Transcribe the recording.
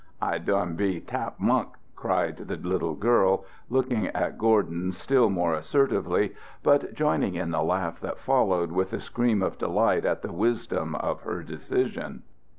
"I doin' be Tap monk," cried the little girl, looking at Gordon still more assertively, but joining in the laugh that followed with a scream of delight at the wisdom of her decision.